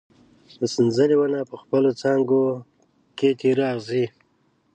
د سنځلې ونه په خپلو څانګو کې تېره اغزي